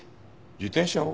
自転車を？